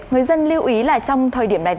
người dân lưu ý là trong thời điểm này